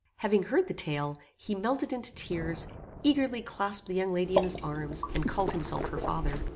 Having heard the tale, he melted into tears, eagerly clasped the young lady in his arms, and called himself her father.